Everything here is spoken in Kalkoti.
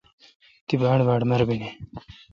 تی باڑباڑ مربینی